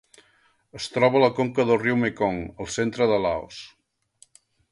Es troba a la conca del riu Mekong al centre de Laos.